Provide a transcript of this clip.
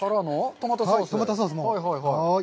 トマトソース。